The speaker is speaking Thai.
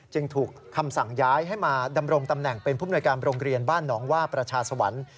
จึงถูกคำสั่งย้ายให้มาดำรงตำแหน่งเป็นผู้มนวยการโรงเรียนบ้านหนองว่าประชาสวรรค์